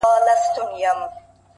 وخت د ضایع شوو فرصتونو شاهد وي،